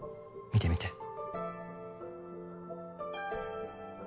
見てみて。